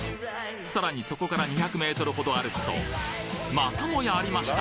さらにそこから２００メートルほど歩くとまたもやありました！